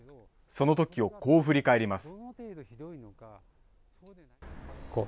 そのときをこう振り返ります。